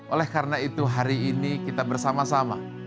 oleh karena itu hari ini kita bersama sama